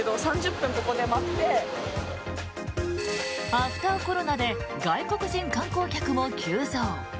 アフターコロナで外国人観光客も急増。